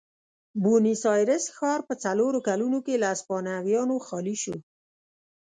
بونیس ایرس ښار په څلورو کلونو کې له هسپانویانو خالي شو.